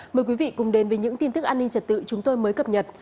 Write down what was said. mời quý vị cùng đến với những tin tức an ninh trật tự chúng tôi mới cập nhật